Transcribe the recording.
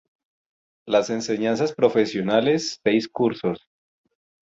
Las Enseñanzas Profesionales: Seis cursos.